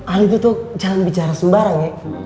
al itu tuh jalan bicara sembarang ya